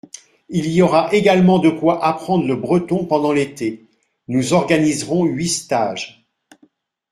Il y aura également de quoi apprendre le breton pendant l’été : nous organiserons huit stages.